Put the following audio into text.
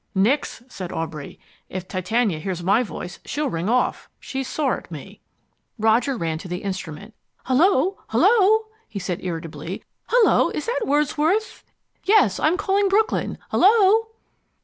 "Nix," said Aubrey. "If Titania hears my voice she'll ring off. She's sore at me." Roger ran to the instrument. "Hullo, hullo?" he said, irritably. "Hullo, is that Wordsworth ? Yes, I'm calling Brooklyn Hullo!"